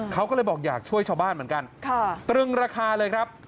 เขาก็เลยบอกอยากช่วยชาวบ้านเหมือนกันตรึงราคาเลยครับ